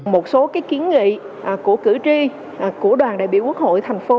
một số kiến nghị của cử tri của đoàn đại biểu quốc hội tp hcm